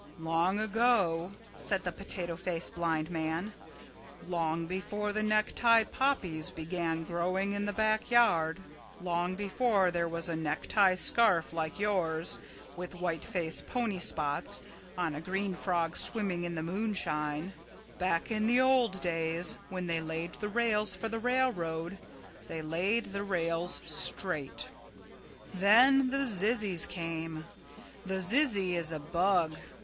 "Long ago," said the Potato Face Blind Man, "long before the necktie poppies began growing in the backyard, long before there was a necktie scarf like yours with whiteface pony spots on a green frog swimming in the moonshine, back in the old days when they laid the rails for the railroad they laid the rails straight." "Then the zizzies came. The zizzy is a bug.